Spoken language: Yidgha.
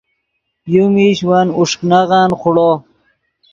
یو میش ون اوݰک نغن خوڑو